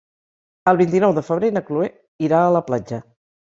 El vint-i-nou de febrer na Chloé irà a la platja.